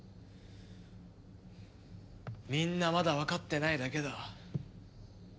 みんなまだわかってないだけだ。